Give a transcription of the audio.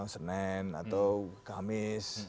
senin atau kamis